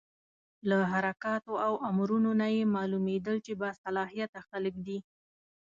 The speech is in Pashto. له حرکاتو او امرونو نه یې معلومېدل چې با صلاحیته خلک دي.